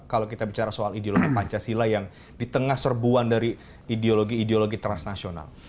kalau kita bicara soal ideologi pancasila yang di tengah serbuan dari ideologi ideologi transnasional